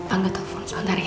angga telepon sebentar ya